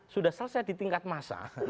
sudah selesai di tingkat massa